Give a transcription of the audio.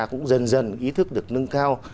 cũng dần dần ý thức được nâng cao